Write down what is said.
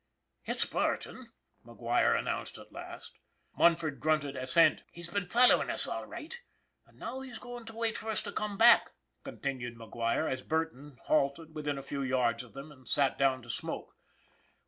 " It's Burton," McGuire announced at last. Munford grunted assent. " He's been followin' us all right, and now he's goin' to wait for us to come back," continued Mc Guire, as Burton halted within a few yards of them and sat down to smoke.